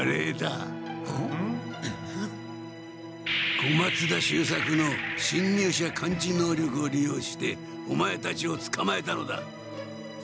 小松田秀作のしんにゅう者感知能力を利用してオマエたちをつかまえたのだ。